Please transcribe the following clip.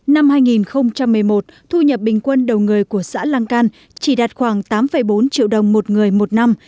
năm hai nghìn một mươi một thu nhập bình quân đầu người của xã lăng can chỉ đạt khoảng tám bốn triệu đồng một người một năm